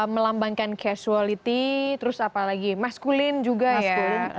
melambangkan casuality terus apa lagi maskulin juga ya